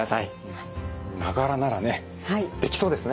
「ながら」ならねできそうですね。